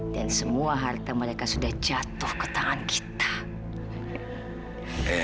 dan semua harta mereka sudah jatuh ke tangan kita